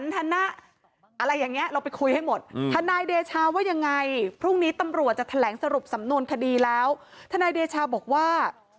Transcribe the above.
ทีนี้ตำรวจจะแถลงสรุปสำนวนคดีแล้วทนายเดชาบอกว่า